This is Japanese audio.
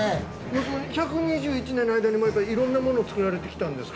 １２１年の間にもいろんなものを作られてきたんですか？